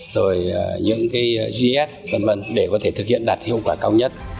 rồi những cái gs v v để có thể thực hiện đạt hiệu quả cao nhất